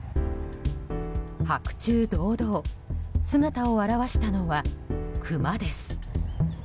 白昼堂々、姿を現したのはクマです。